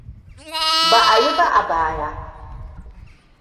Ba'a yi ba a baya.